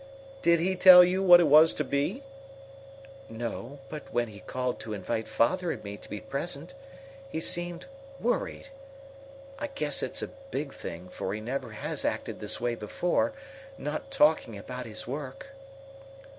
"Did he tell you what it was to be?" "No; but when he called to invite father and me to be present he seemed worried. I guess it's a big thing, for he never has acted this way before not talking about his work."